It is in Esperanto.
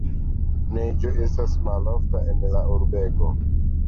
Neĝo estas malofta en la urbego.